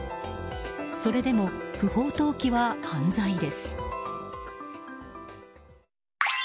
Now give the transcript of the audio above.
それでも不法投棄は犯罪です。